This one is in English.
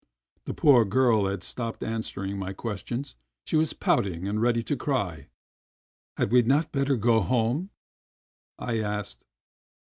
The poor girl had stopped answering my questions, she was pouting and ready to cry. "Had we not better go home?" I asked.